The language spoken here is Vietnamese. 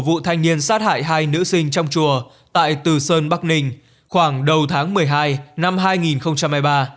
vụ thanh niên sát hại hai nữ sinh trong chùa tại từ sơn bắc ninh khoảng đầu tháng một mươi hai năm hai nghìn hai mươi ba